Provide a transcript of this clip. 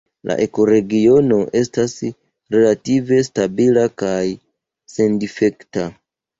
La ekoregiono estas relative stabila kaj sendifekta.